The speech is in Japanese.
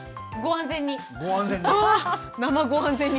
ご安全に。